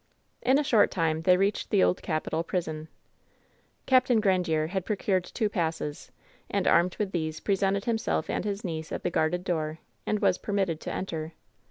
In a short time they reached the Old Capitol prison. Capt. Grandiere had procured two passes, and armed with these, presented himself and his niece at the guarded door, and was permitted to enter.